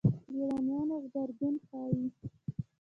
لېونیانو غبرګون ښيي.